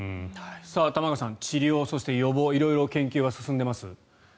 玉川さん治療、そして予防色々研究は進んでいます。